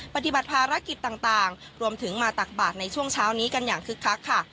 ปฏิบัติภารกิจต่างรวมถึงมาตักบาทในช่วงเช้านี้กันอย่างคึกคักค่ะ